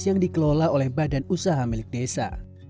yang dikelola oleh badan usaha milik desa